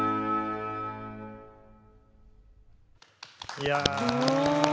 いや。